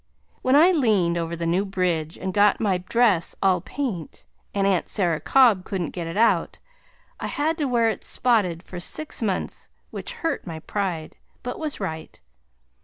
When I leaned over the new bridge, and got my dress all paint, and Aunt Sarah Cobb couldn't get it out, I had to wear it spotted for six months which hurt my pride, but was right.